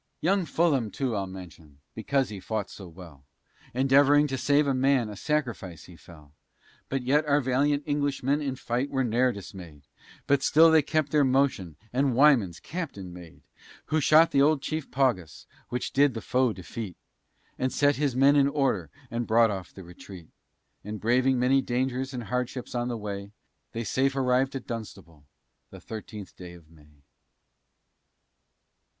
Young Fullam, too, I'll mention, because he fought so well, Endeavoring to save a man, a sacrifice he fell: But yet our valiant Englishmen in fight were ne'er dismay'd, But still they kept their motion, and Wymans Captain made, Who shot the old chief Paugus, which did the foe defeat, Then set his men in order, and brought off the retreat; And braving many dangers and hardships in the way, They safe arriv'd at Dunstable, the thirteenth day of May.